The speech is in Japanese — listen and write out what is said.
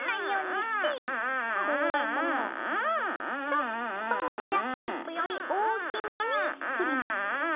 ちょっとヘアクリップより大きめに切ります。